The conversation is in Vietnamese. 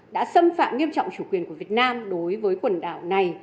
đã xâm phạm nghiêm trọng chủ quyền của việt nam đối với quần đảo này